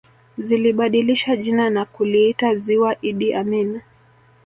Zilibadilisha jina na kuliita Ziwa Idi Amin